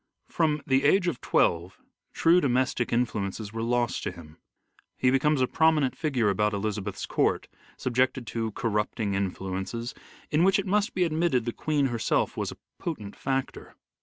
From the age of twelve true domestic influences were lost to him ; he becomes a prominent figure about Elizabeth's court, subjected to corrupting influences, in which it must be admitted the Queen herself was a potent factor.